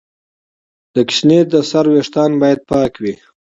د ماشوم د سر ویښتان باید پاک وي۔